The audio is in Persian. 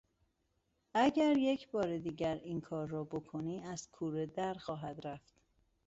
اگر یکبار دیگر این کار را بکنی از کوره در خواهد رفت.